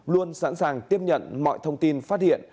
luôn sẵn sàng tiếp nhận mọi thông tin phát hiện